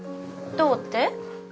どうって？